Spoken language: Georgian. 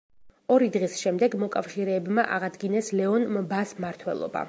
ორი დღის შემდეგ მოკავშირეებმა აღადგინეს ლეონ მბას მმართველობა.